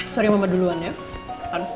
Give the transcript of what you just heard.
sorry mama duluan ya